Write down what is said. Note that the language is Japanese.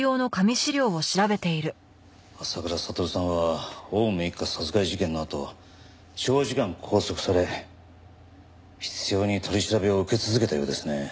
浅倉悟さんは青梅一家殺害事件のあと長時間拘束され執拗に取り調べを受け続けたようですね。